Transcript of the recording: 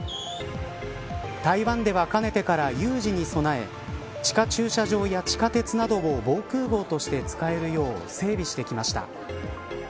台湾ではかねてから有事に備え地下駐車場や地下鉄などを防空壕として使えるよう整備してきました。